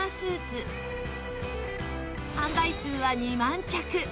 販売数は２万着！